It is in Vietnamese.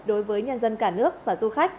đối với nhân dân cả nước và du khách